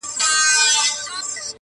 بریالیو ته پرېماني خزانې وې -